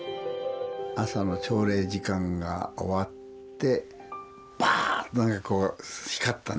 朝の朝礼時間が終わってバーンとねこう光ったんですね。